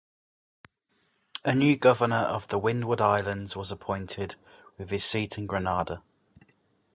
A new Governor of the Windward Islands was appointed, with his seat in Grenada.